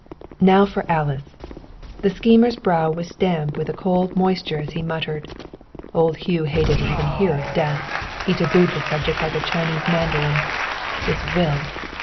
"Now, for Alice!" The schemer's brow was damp with a cold moisture as he muttered: "Old Hugh hated even to hear of Death. He tabooed the subject like a Chinese mandarin. "His will!